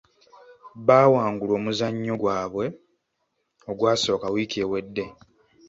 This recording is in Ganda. Baawangulwa omuzannyo gwaabwe ogwasooka wiiki ewedde.